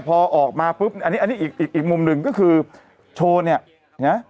พอออกมาปุ๊บอันนี้อันนี้อีกอีกมุมหนึ่งก็คือโชว์เนี่ยนะ